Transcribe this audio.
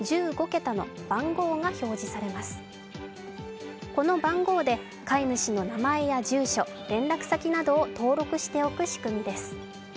この番号で飼い主の名前や住所連絡先などを登録しておく仕組みです。